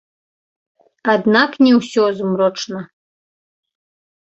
Аднак не ўсё змрочна.